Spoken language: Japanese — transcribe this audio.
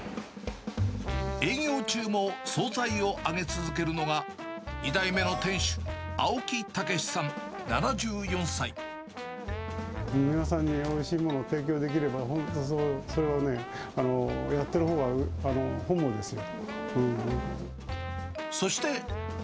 営業中も総菜を揚げ続けるのが、２代目の店主、皆さんにおいしいものを提供できれば、本当それはね、やってるほうは本望ですよ。